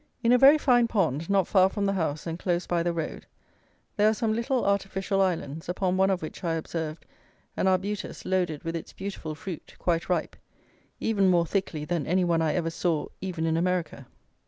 In a very fine pond, not far from the house and close by the road, there are some little artificial islands, upon one of which I observed an arbutus loaded with its beautiful fruit (quite ripe), even more thickly than any one I ever saw even in America.